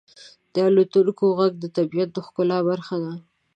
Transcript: • د الوتونکو ږغ د طبیعت د ښکلا برخه ده.